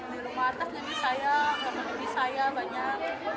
di rumah atas jadi sayang rumah adik saya banyak